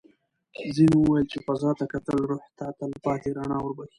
ځینې وویل چې فضا ته کتل روح ته تل پاتې رڼا وربښي.